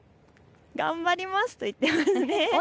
頑張りますと言っています。